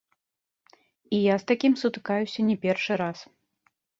І я з такім сутыкаюся не першы раз.